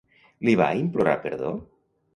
Li va implorar perdó?